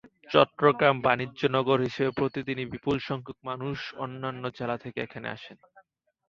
চট্টগ্রাম বাণিজ্যনগর হিসেবে প্রতিদিনই বিপুলসংখ্যক মানুষ অন্যান্য জেলা থেকে এখানে আসেন।